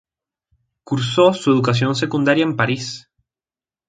Cursó su educación secundaria en París.